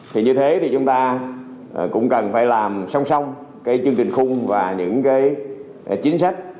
thì như thế thì chúng ta cũng cần phải làm song song cái chương trình khung và những cái chính sách